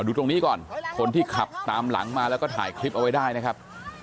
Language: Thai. ดูตรงนี้ก่อนคนที่ขับตามหลังมาแล้วก็ถ่ายคลิปเอาไว้ได้นะครับ